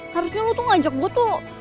harusnya lo tuh ngajak gue tuh